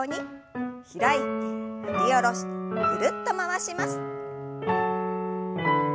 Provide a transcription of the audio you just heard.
開いて振り下ろしてぐるっと回します。